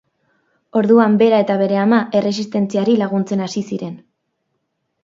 Orduan bera eta bere ama erresistentziari laguntzen hasi ziren.